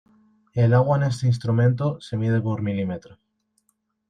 El agua en este instrumento se mide por mm.